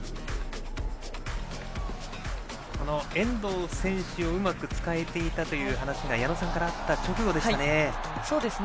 遠藤選手をうまく使えていたという話が矢野さんからあった直後でしたね。